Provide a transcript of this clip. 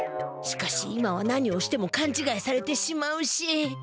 しかし今は何をしてもかんちがいされてしまうし。